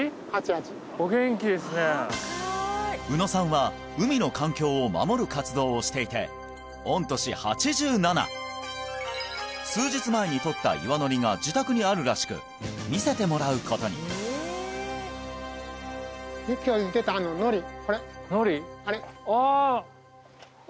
お元気ですね宇野さんは海の環境を守る活動をしていて御年８７数日前にとった岩のりが自宅にあるらしく見せてもらうことに今日言ってたのりこれのり？あれああ！